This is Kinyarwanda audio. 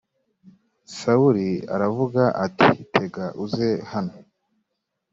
sawuli aravuga ati tega uze hano